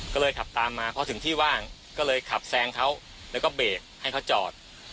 ก็เลยขับตามมาพอถึงที่ว่างก็เลยขับแซงเขาแล้วก็เบรกให้เขาจอด